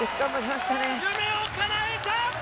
夢をかなえた！